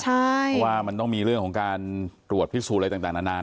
เพราะว่ามันต้องมีเรื่องของการตรวจพิสูจน์อะไรต่างนานา